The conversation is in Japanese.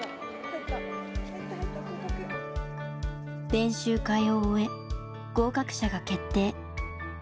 練習会を終え合格者が決定。